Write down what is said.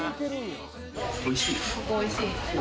おいしい。